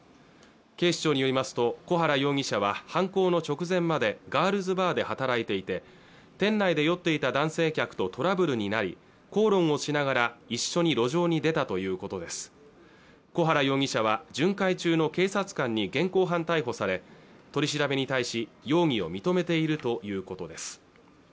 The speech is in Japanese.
警視庁によりますと小原容疑者は犯行の直前までガールズバーで働いていて店内で酔っていた男性客とトラブルになり口論をしながら一緒に路上に出たということです小原容疑者は巡回中の警察官に現行犯逮捕され取り調べに対し容疑を認めているということです